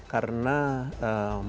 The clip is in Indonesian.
karena musim dingin